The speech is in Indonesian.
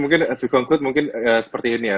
mungkin to conclude mungkin seperti ini ya